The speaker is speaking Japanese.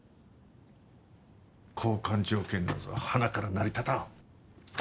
交換条件なぞはなから成り立たん。